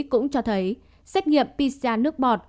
cũng cho thấy xét nghiệm pizza nước bọt